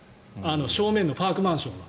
正面のパークマンションは。